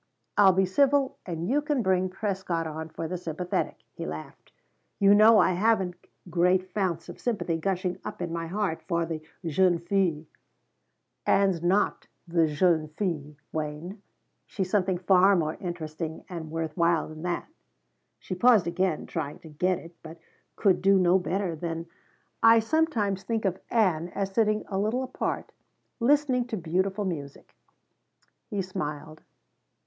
"I'll be civil and you can bring Prescott on for the sympathetic," he laughed. "You know I haven't great founts of sympathy gushing up in my heart for the jeune fille." "Ann's not the jeune fille, Wayne. She's something far more interesting and worth while than that." She paused, again trying to get it, but could do no better than: "I sometimes think of Ann as sitting a little apart, listening to beautiful music." He smiled.